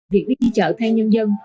việc đi chợ thay nhân dân